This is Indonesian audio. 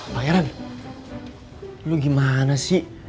pak heran lo gimana sih